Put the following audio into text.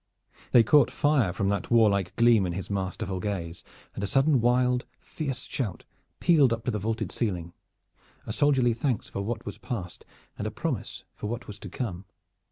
They caught fire from that warlike gleam in his masterful gaze, and a sudden wild, fierce shout pealed up to the vaulted ceiling, a soldierly thanks for what was passed and a promise for what was to come.